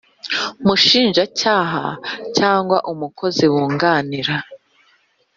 Mushinjacyaha cyangwa umukozi wunganira